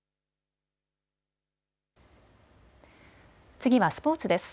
次はスポーツです。